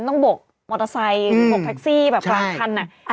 บกมอเตอร์ไซค์บกแท็กซี่แบบกลางคัน